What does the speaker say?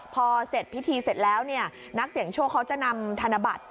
พอเสร็จพิธีเสร็จแล้วเนี่ยนักเสี่ยงโชคเขาจะนำธนบัตร